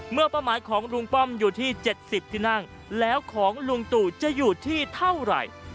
เป้าหมายของลุงป้อมอยู่ที่๗๐ที่นั่งแล้วของลุงตู่จะอยู่ที่เท่าไหร่